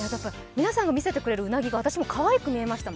皆さんが見せてくれるうなぎが、私もかわいく見えました